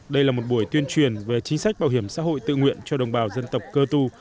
đây là một buổi tuyên truyền về chính sách bảo hiểm xã hội tự nguyện cho đồng bào dân tộc cơ tu